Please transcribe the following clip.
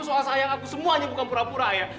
soal sayang aku semuanya bukan pura pura ya